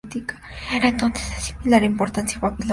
Era entonces de similar importancia a Babilonia.